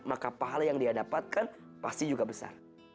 maka pahala yang dia dapatkan pasti juga besar